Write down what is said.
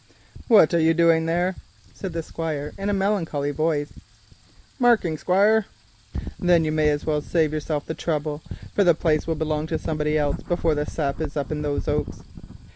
"What are you doing there?" said the Squire, in a melancholy voice. "Marking, Squire." "Then you may as well save yourself the trouble, for the place will belong to somebody else before the sap is up in those oaks."